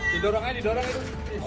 didorong aja didorong aja